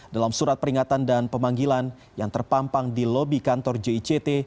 dalam surat peringatan dan pemanggilan yang terpampang di lobi kantor jict